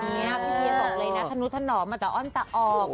พี่เวียบอกเลยนะทะนุทะหนอมันจะอ้อนตะออก